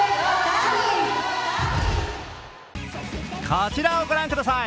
こちらをご覧ください。